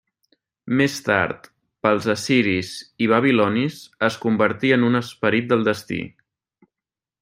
Més tard, pels assiris i babilonis, es convertí en un esperit del destí.